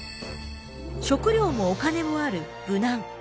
食料もお金もある無難。